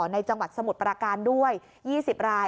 ในจังหวัดสมุทรปราการด้วย๒๐ราย